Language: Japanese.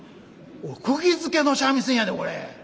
「おっくぎづけの三味線やでこれ。